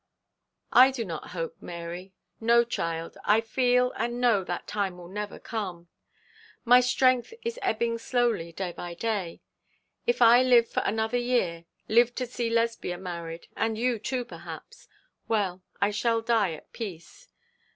'I do not hope, Mary. No, child, I feel and know that time will never come. My strength is ebbing slowly day by day. If I live for another year, live to see Lesbia married, and you, too, perhaps well, I shall die at peace.